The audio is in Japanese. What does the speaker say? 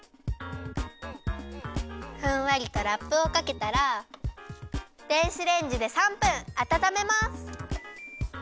ふんわりとラップをかけたら電子レンジで３分あたためます。